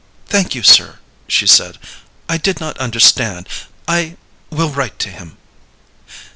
"Thank you, sir," she said. "I did not understand. I will write to him."